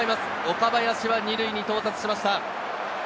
岡林は２塁に到達しました。